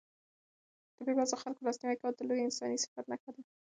د بېوزلو خلکو لاسنیوی کول د لوی انساني صفت نښه ده.